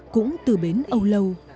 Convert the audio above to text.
cũng từ bến âu lâu